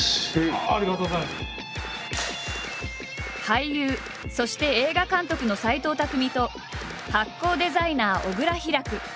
俳優そして映画監督の斎藤工と発酵デザイナー・小倉ヒラク。